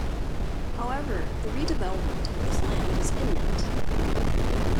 However, the redevelopment of this land is imminent.